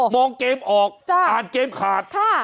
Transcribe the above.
มองเกมออกอ่านเกมขาด